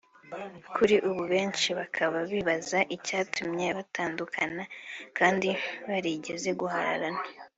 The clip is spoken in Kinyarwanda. kuri ubu benshi bakaba bibaza icyatumye batandukana kandi barigeze guhararana